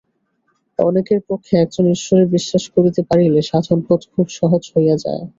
অনেকের পক্ষে একজন ঈশ্বরে বিশ্বাস করিতে পারিলে সাধনপথ খুব সহজ হইয়া থাকে।